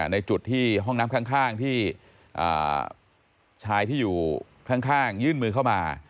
ในจุดที่ห้องน้ำข้างที่ชายที่อยู่ข้างยื่นมือเข้ามา